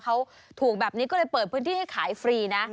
เขาถูกแบบนี้ก็เลยเปิดพื้นที่ให้ขายฟรีนะ